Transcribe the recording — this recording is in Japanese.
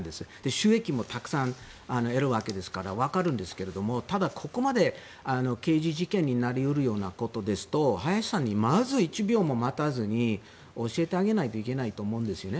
収益もたくさん得るわけですからわかるんですがただ、ここまで刑事事件になり得るようなことですと林さんにまず１秒も待たずに教えてあげないといけないと思うんですよね。